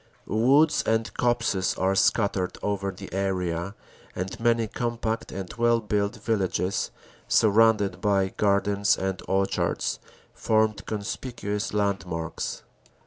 Woods and copses are scattered over the area and many com pact and well built villages surrounded by gardens and orchards formed conspicuous landmarks.